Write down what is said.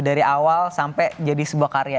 dari awal sampai jadi sebuah karya